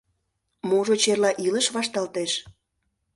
Можыч, эрла илыш вашталтеш?